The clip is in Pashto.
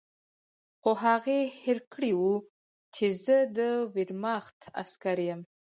خو هغې هېر کړي وو چې زه د ویرماخت عسکر یم